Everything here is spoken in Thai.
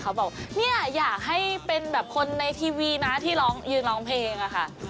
เขาบอกเนี่ยอยากให้เป็นแบบคนในทีวีนะที่ร้องยืนร้องเพลงอะค่ะ